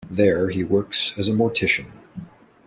There he works as a mortician.